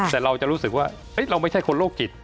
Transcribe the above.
แต่เราจะรู้สึกว่าเราไม่ใช่คนโรคจิต